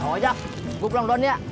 oh jak gue pulang pulang ya